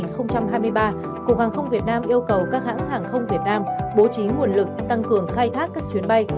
cục hàng không việt nam yêu cầu các hãng hàng không việt nam bố trí nguồn lực tăng cường khai thác các chuyến bay